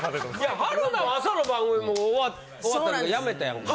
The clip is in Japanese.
春菜は朝の番組もう終わったいうか辞めたやんか。